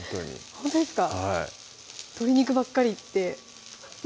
ほんとですか？